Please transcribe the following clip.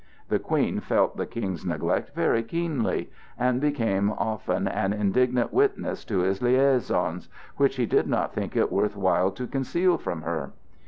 The Queen felt the King's neglect very keenly, and became often an indignant witness to his liaisons, which he did not think it worth while to conceal from her.